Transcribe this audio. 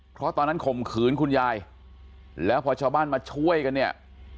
เพราะตอนนั้นข่มขืนคุณยายแล้วพอชาวบ้านมาช่วยกันเนี่ย